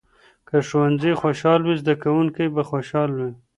که ښوونځي خوشال وي، زده کوونکي به خوشحاله وي.